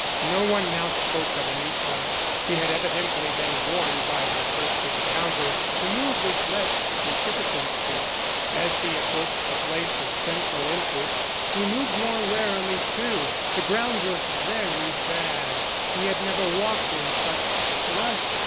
No one now spoke of Anitra; she had evidently been warned by her first encounter to move with less precipitancy. As he approached the place of central interest, he moved more warily too. The ground was very bad; he had never walked in such slush.